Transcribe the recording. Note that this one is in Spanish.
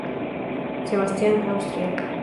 Sebastian, Austria.